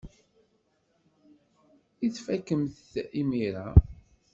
I tfakemt-t imir-a?